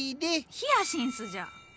「ヒヤシンス」じゃ。